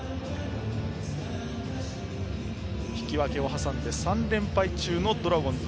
引き分けを挟んで３連敗中のドラゴンズ。